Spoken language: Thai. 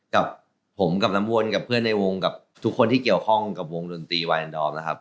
กับผมกับน้ำวนกับเพื่อนในวงกับทุกคนที่เกี่ยวข้องกับวงดนตรีวายแอนดอมนะครับ